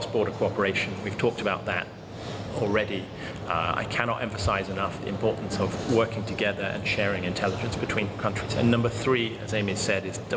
เพราะแรกจากต้านใดมันอยู่